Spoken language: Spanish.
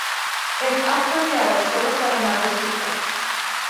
Es apropiado solo para naves chicas.